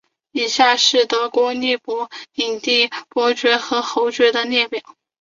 以下是德国利珀领地伯爵和侯爵的列表。